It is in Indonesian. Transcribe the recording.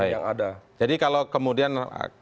yang ada jadi kalau kemudian